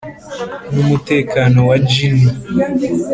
numutekano wa jinny